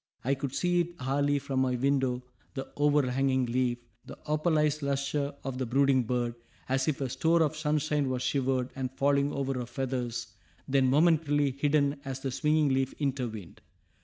I could see it hourly from my window, the overhanging leaf, the opalized lustre of the brooding bird, as if a store of sunshine was shivered, and falling over her feathers, then momentarily hidden as the swinging leaf intervened.